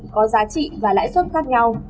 có giá trị và lãi xuất khác nhau